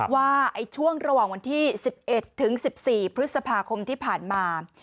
ว่าช่วงระหว่างวันที่๑๑ถึง๑๔พฤษภาคมที่ผ่านมา